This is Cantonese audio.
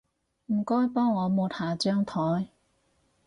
唔該幫我抹下張枱